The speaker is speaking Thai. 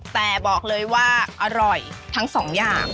แต่บอกเลยว่าอร่อยทั้งสองอย่าง